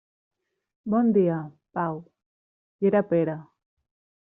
Bon dia, Pau. I era Pere.